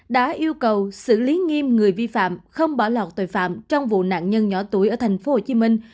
đã yêu cầu xử lý nghiêm người vi phạm không bỏ lọt tội phạm trong vụ nạn nhân nhỏ tuổi ở thành phố hồ chí minh